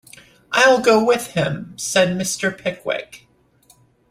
‘I’ll go with him,’ said Mr. Pickwick.